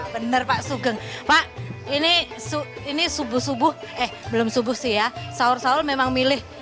bener pak sugeng pak ini ini subuh subuh eh belum subuh sih ya sahur sahur memang milih